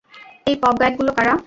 এই পপ গায়কগুলো কারা?